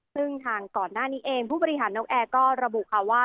ซึ่งทางก่อนหน้านี้เองผู้บริหารนกแอร์ก็ระบุค่ะว่า